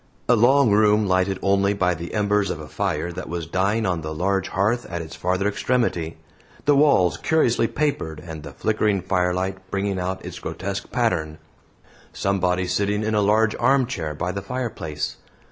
A long room lighted only by the embers of a fire that was dying on the large hearth at its farther extremity; the walls curiously papered, and the flickering firelight bringing out its grotesque pattern; somebody sitting in a large armchair by the fireplace.